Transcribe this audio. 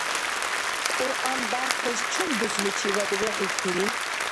Кьуръан бяркъес чум дусличивад вехӏихьири?